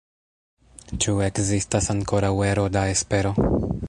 Ĉu ekzistas ankoraŭ ero da espero?